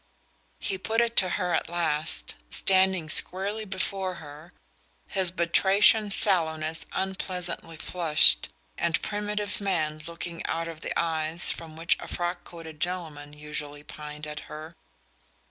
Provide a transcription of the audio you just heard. He put it to her at last, standing squarely before her, his batrachian sallowness unpleasantly flushed, and primitive man looking out of the eyes from which a frock coated gentleman usually pined at her.